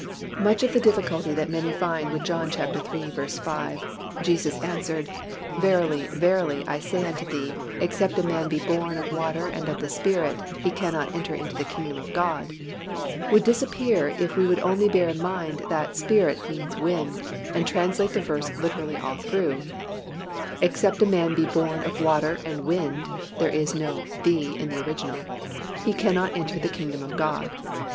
Much of the difficulty that many find with John iii. 5, "Jesus answered, Verily, verily, I say unto thee, Except a man be born of water and of the Spirit, he cannot enter into the kingdom of God," would disappear if we would only bear in mind that "Spirit" means "Wind" and translate the verse literally all through, "Except a man be born of water and Wind (there is no 'the' in the original), he cannot enter the kingdom of God."